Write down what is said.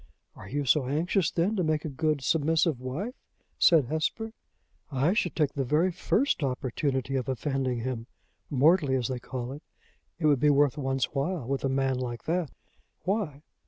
"Are you so anxious, then, to make a good, submissive wife?" said Hesper. "I should take the very first opportunity of offending him mortally, as they call it. It would be worth one's while with a man like that." "Why?